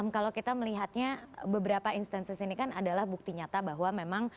kalau kita melihatnya beberapa instansis ini kan adalah bukti nyata bahwa memang